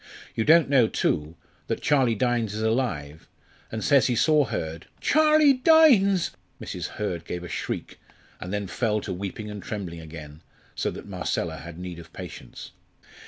You don't know, too, that Charlie Dynes is alive, and says he saw Hurd " "Charlie Dynes!" Mrs. Hurd gave a shriek, and then fell to weeping and trembling again, so that Marcella had need of patience.